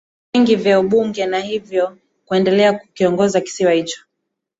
vingi vya ubunge na hivyo kuendelea kukiongoza kisiwa hicho